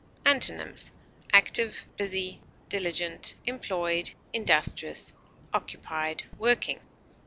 Antonyms: active, busy, diligent, employed, industrious, occupied, working.